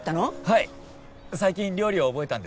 はい最近料理を覚えたんです。